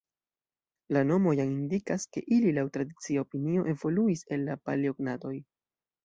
La nomo jam indikas, ke ili laŭ tradicia opinio evoluis el la Paleognatoj.